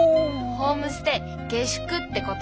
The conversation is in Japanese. ホームステイ下宿ってこと。